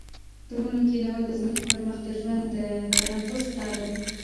د ونو کښېنول د ځمکې پر مخ د ژوند د تنفس لاره ده.